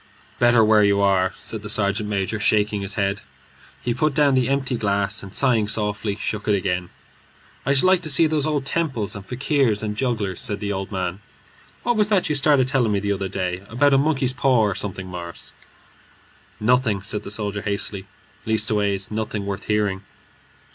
"Better where you are," said the sergeant major, shaking his head. He put down the empty glass, and sighing softly, shook it again. "I should like to see those old temples and fakirs and jugglers," said the old man. "What was that you started telling me the other day about a monkey's paw or something, Morris?" "Nothing," said the soldier, hastily. "Leastways nothing worth hearing."